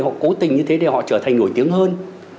họ cố tình như thế để họ trở thành nổi tiếng hơn